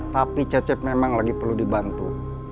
tapi cecep memang lagi perlu dibantu